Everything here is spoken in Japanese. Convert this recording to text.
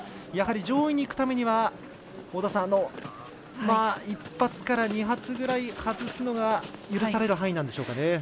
やはり上位にいくためには１発から２発ぐらい外すのが許される範囲なんでしょうかね。